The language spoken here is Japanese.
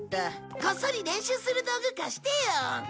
こっそり練習する道具貸してよ。